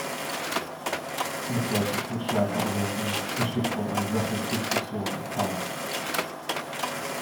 Mit solchen Totschlagargumenten erstickt man eine sachliche Diskussion im Keim.